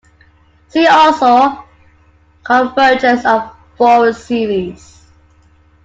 See also: Convergence of Fourier series.